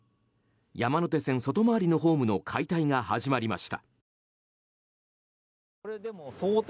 山手線外回りのホームの解体が始まりました。